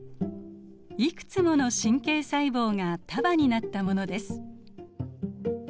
いくつもの神経細胞が束になったものです。